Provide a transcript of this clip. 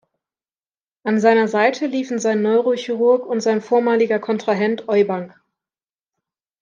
An seiner Seite liefen sein Neurochirurg und sein vormaliger Kontrahent Eubank.